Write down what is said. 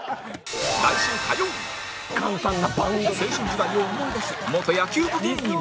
青春時代を思い出す元野球部芸人も